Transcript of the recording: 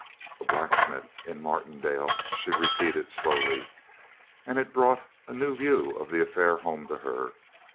"A blacksmith in Martindale," she had repeated slowly. And it brought a new view of the affair home to her.